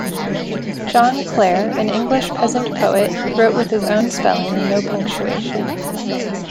John Clare, an English peasant poet, wrote with his own spelling and no punctuation.